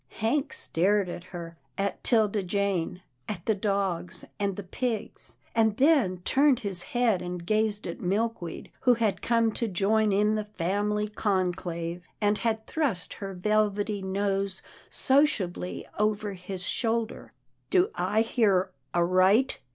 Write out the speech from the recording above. Hank stared at her, at 'Tilda Jane, at the dogs, and the pigs, and then turned his head and gazed at Milkweed, who had come to join in the family conclave, and had thrust her velvety nose sociably over his shoulder. " Do I hear aright